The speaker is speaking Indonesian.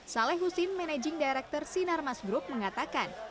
saleh husin managing director sinar mas group mengatakan